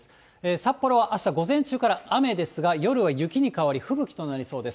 札幌はあした午前中から雨ですが、夜は雪に変わり、ふぶきとなりそうです